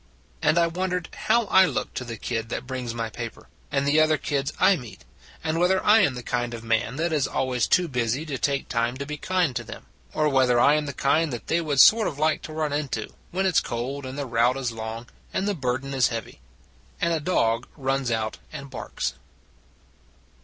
And I wondered how I look to the kid that brings my paper and the other kids I meet, and whether I am the kind of man that is always too busy to take time to be kind to them or whether I am the kind that they would sort of like to run into, when it s cold, and the route is long, and the burden is heavy. And a dog runs out and barks.